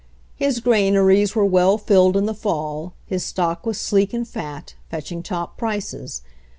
His granaries were well filled in the fall, his stock was sleek and fat, fetching top prices.